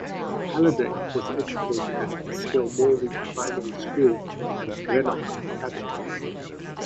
Halliday was educated at Skelmorlie Primary School and Greenock Academy.